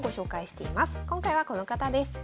今回はこの方です。